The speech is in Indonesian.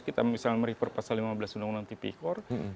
kita misalnya merefer pasal lima belas undang undang tipikor